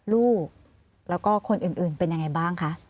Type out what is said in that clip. ลูกแล้วก็คนอื่นเป็นยังไงบ้างคะ